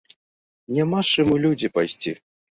Няма з чым у людзі пайсці.